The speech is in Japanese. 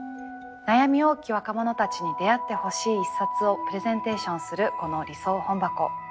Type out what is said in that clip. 悩み多き若者たちに出会ってほしい一冊をプレゼンテーションするこの「理想本箱」。